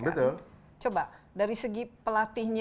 coba dari segi pelatihnya training for the trainers dan pelatihnya